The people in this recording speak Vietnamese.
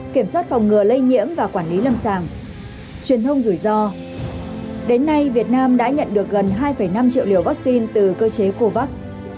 kiểm soát phòng ngừa lây nhiễm và quản lý lâm sàng truyền thông rủi ro đến nay việt nam đã nhận được gần hai năm triệu liều vaccine từ cơ chế covax